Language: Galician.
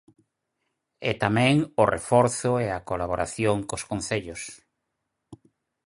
E tamén o reforzo e a colaboración cos concellos.